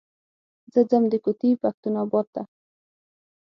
زه ځم د کوتي پښتون اباد ته.